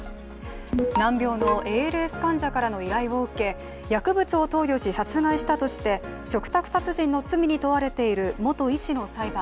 難病のＡＬＳ患者からの依頼を受け、薬物を投与し殺害したとして嘱託殺人の罪に問われている元医師の裁判。